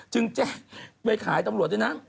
จึงแจ้งไปขายตำรวจด้วยนะ